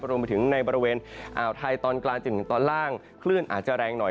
รวมไปถึงในบริเวณอ่าวไทยตอนกลางจนถึงตอนล่างคลื่นอาจจะแรงหน่อย